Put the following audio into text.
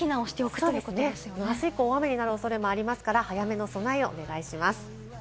あす以降、雨になる恐れもありますから早めの備えをお願いします。